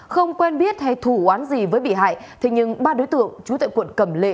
không quen biết hay thủ oán gì với bị hại thế nhưng ba đối tượng chú tại quận cầm lệ